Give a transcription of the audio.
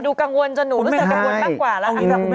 ต้องจริงเนอะ